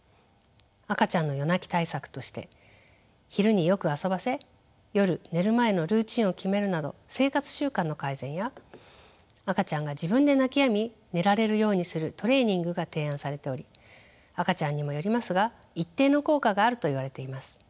赤ちゃんの夜泣き対策として昼によく遊ばせ夜寝る前のルーチンを決めるなど生活習慣の改善や赤ちゃんが自分で泣きやみ寝られるようにするトレーニングが提案されており赤ちゃんにもよりますが一定の効果があるといわれています。